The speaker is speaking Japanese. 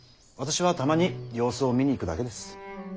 私はたまに様子を見に行くだけです。